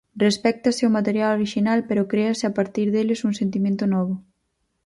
Respéctase o material orixinal, pero créase a partir deles un sentimento novo.